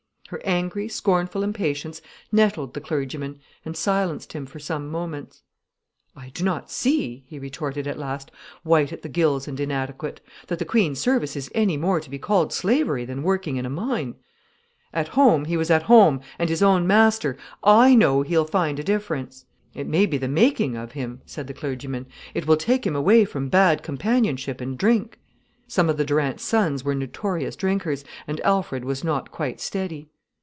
Her angry, scornful impatience nettled the clergyman and silenced him for some moments. "I do not see," he retorted at last, white at the gills and inadequate, "that the Queen's service is any more to be called slavery than working in a mine." "At home he was at home, and his own master. I know he'll find a difference." "It may be the making of him," said the clergyman. "It will take him away from bad companionship and drink." Some of the Durants' sons were notorious drinkers, and Alfred was not quite steady.